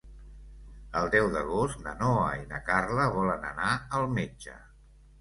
El deu d'agost na Noa i na Carla volen anar al metge.